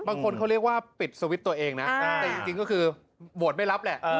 บางคนเขาเรียกว่าปิดสวิตช์ตัวเองนะแต่จริงก็คือโหวตไม่รับแหละ